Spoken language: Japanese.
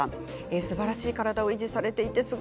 すばらしい体を維持されています。